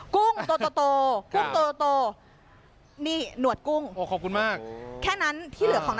กุ้งโตนี่หนวดกุ้ง